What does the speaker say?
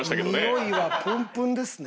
においはプンプンですね。